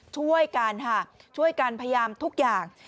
ช่วยกันค่ะช่วยกันพยายามทุกอย่าง